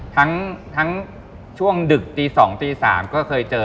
ทั้งช่วงดึกตี๒ตี๓ก็เคยเจอ